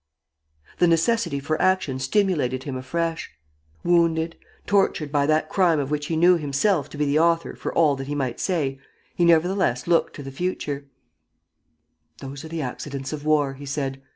The necessity for action stimulated him afresh. Wounded, tortured by that crime of which he knew himself to be the author for all that he might say, he nevertheless looked to the future: "Those are the accidents of war," he said.